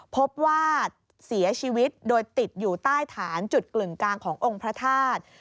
พบว่าเสียชีวิตโดยติดอยู่ใต้ฐานจุดกึ่งกลางขององค์พระธาตุ